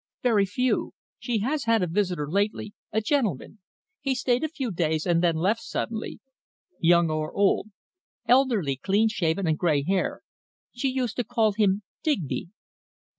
"Very few. She has had a visitor lately a gentleman. He stayed a few days, and then left suddenly." "Young or old?" "Elderly, clean shaven, and grey hair. She used to call him Digby."